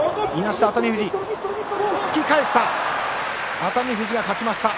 熱海富士が勝ちました。